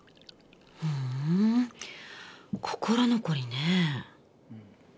ふぅん心残りねえ。